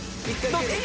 どっち？